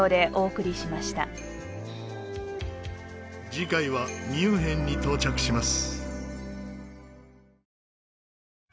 次回はミュンヘンに到着します。